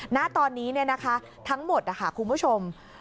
ณตอนนี้ทั้งหมดคุณผู้ชม